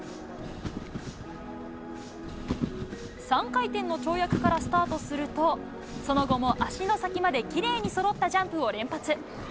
３回転の跳躍からスタートすると、その後も足の先まできれいにそろったジャンプを連発。